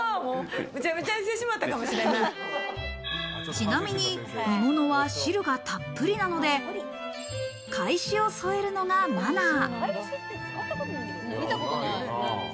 ちなみに煮物は汁がたっぷりなので、懐紙を添えるのがマナー。